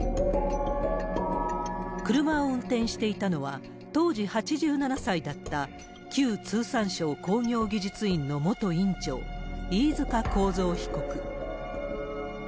車を運転していたのは、当時８７歳だった旧通産省工業技術院の元院長、飯塚幸三被告。